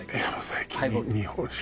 最近日本酒。